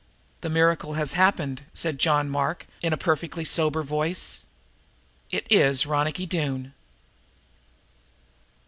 "The miracle has happened," said John Mark in a perfectly sober voice. "It is Ronicky Doone!"